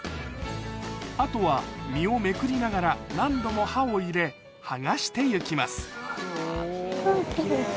あとは身をめくりながら何度も刃を入れ剥がして行きます奇麗。